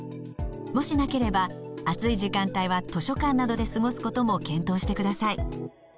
もしなければ暑い時間帯は図書館などで過ごすことも検討してください。